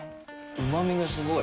うまみがすごい。